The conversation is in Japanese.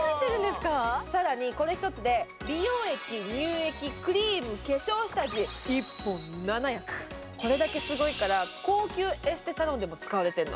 更にこれ１つで美容液、乳液、化粧下地、１本７役、これだけすごいから高級エステサロンでも使われているの。